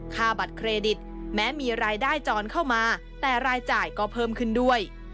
ค่าบัตรเครดิตแม้มีรายได้จรเข้ามาแต่รายจ่ายก็เพิ่มขึ้นด้วย